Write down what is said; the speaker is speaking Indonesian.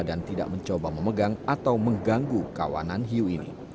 dan tidak mencoba memegang atau mengganggu kawanan hiu ini